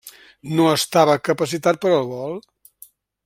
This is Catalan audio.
No estava capacitat per al vol.